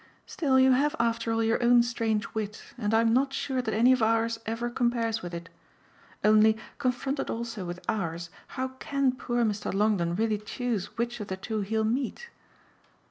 Still, you have after all your own strange wit, and I'm not sure that any of ours ever compares with it. Only, confronted also with ours, how can poor Mr. Longdon really choose which of the two he'll meet?"